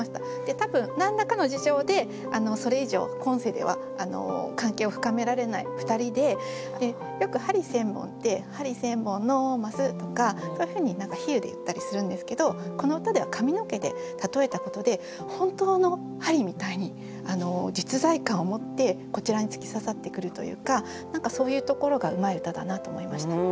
多分何らかの事情でそれ以上今世では関係を深められない２人でよく「針千本」って「針千本のます！」とかそういうふうに比喩で言ったりするんですけどこの歌では髪の毛でたとえたことで本当の針みたいに実在感を持ってこちらに突き刺さってくるというか何かそういうところがうまい歌だなと思いました。